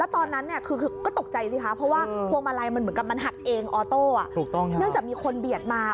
ตอนนั้นตกใจสิครับเพราะว่าความมาลายเหมือนมันหักเองเนื่องจากมีคนเบียดมา